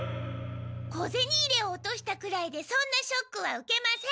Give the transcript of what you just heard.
小ゼニ入れを落としたくらいでそんなショックは受けません。